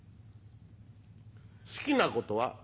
「好きなことは？」。